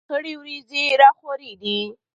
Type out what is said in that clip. خړې ورېځې را خورې دي.